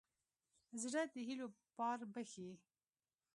زړه د هيلو پار بښي.